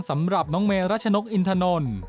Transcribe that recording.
สำหรับน้องเมรัชนกอินทนนท์